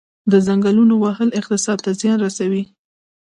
د ځنګلونو وهل اقتصاد ته زیان رسوي؟